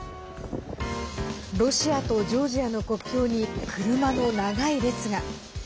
ロシアとジョージアの国境に車の長い列が。